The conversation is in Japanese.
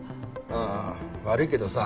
ああ悪いけどさ